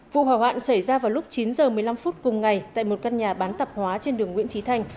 vụ hỏa hoạn xảy ra vào lúc chín h một mươi năm phút cùng ngày tại một căn nhà bán tạp hóa trên đường nguyễn trí thành